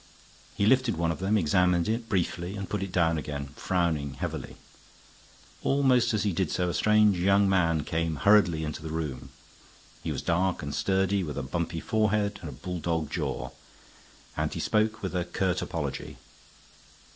He lifted one of them, examined it briefly, and put it down again, frowning heavily. Almost as he did so a strange young man came hurriedly into the room. He was dark and sturdy, with a bumpy forehead and a bulldog jaw, and he spoke with a curt apology.